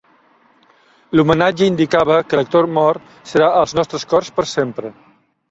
L'homenatge indicava que l'actor mort serà a Als nostres corts per sempre.